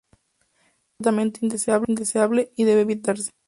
Esto es altamente indeseable y debe evitarse.